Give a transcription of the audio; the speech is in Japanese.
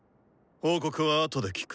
報告はあとで聞く。